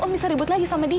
om bisa ribut lagi sama dia